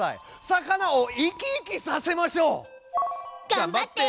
魚を生き生きさせましょう！がんばって！